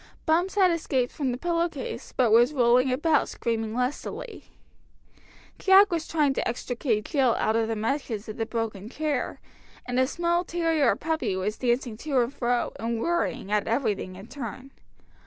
Bumps had escaped from the pillowcase, but was rolling about screaming lustily; Jack was trying to extricate Jill out of the meshes of the broken chair, and a small terrier puppy was dancing to and fro, and worrying at everything in turn.